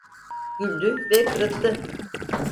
Güldü ve kırıttı.